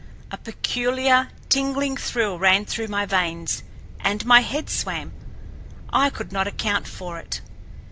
A peculiar, tingling thrill ran through my veins, and my head swam. I could not account for it.